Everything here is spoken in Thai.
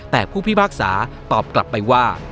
แต่ผู้พิพากษาตอบกลับไปว่า